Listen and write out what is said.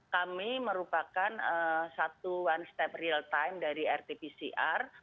kami merupakan satu one step real time dari rt pcr